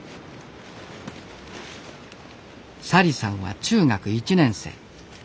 小里さんは中学１年生。